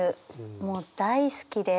もう大好きで。